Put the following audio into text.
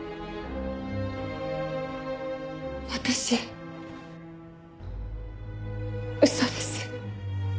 私嘘です。